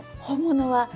本物は。